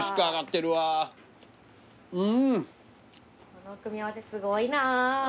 この組み合わせすごいな。